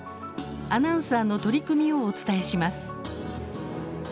アナウンサーの取り組みをお伝えします。